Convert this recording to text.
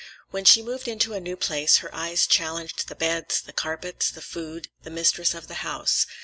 When she moved into a new place her eyes challenged the beds, the carpets, the food, the mistress of the house.